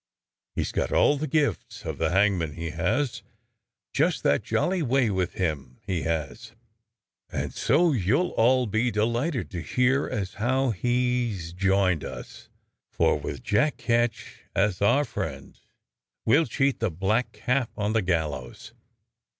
He's got all the gifts of the hangman, he has — just that jolly way with him, he has •— and so you'll all be delighted to hear as how he's joined us, for with Jack Ketch as our friend we'll cheat the black cap on the gallows.